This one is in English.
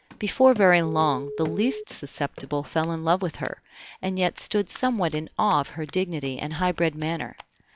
Before very long the least susceptible fell in love with her, and yet stood somewhat in awe of her dignity and high bred manner.